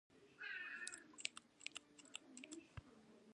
کاناډا مخکې ځي.